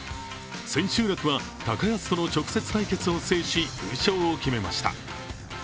千秋楽は高安との直接対決を制し優勝を決めました。